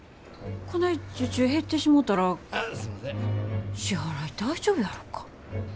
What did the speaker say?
こない受注減ってしもたら支払い大丈夫やろか。